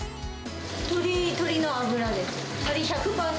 鶏の脂です。